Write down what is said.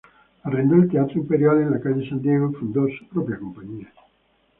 Arrendó el Teatro Imperial en la calle San Diego y fundó su propia compañía.